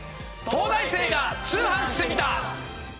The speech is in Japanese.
『東大生が通販してみた！！』。